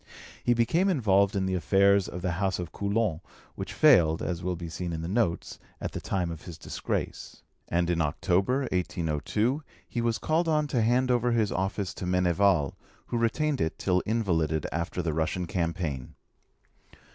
He became involved in the affairs of the House of Coulon, which failed, as will be seen in the notes, at the time of his disgrace; and in October 1802 he was called on to hand over his office to Meneval, who retained it till invalided after the Russian campaign.